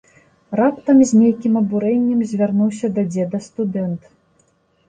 Раптам з нейкім абурэннем звярнуўся да дзеда студэнт.